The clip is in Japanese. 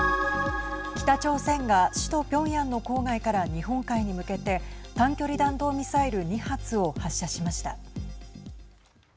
北朝鮮が首都ピョンヤンの郊外から日本海に向けて短距離弾道ミサイル２発を発射しました。